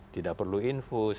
tidak perlu infus